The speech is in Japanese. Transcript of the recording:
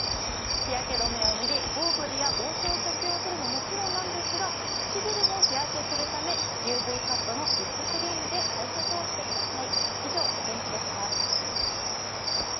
日焼け止めを塗りゴーグルや帽子を着用するのはもちろんですが唇も日焼けするためＵＶカットのリップクリームで対策をしてください。